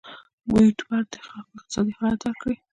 یوټوبر دې د خلکو اقتصادي حالت درک کړي.